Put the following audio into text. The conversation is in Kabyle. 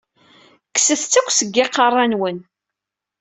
Kkset-tt akk seg iqeṛṛa-nwen!